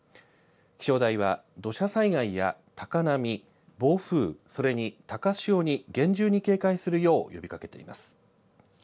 気象台は土砂災害や高波、暴風、それに高潮に厳重に警戒するよう呼びかけています。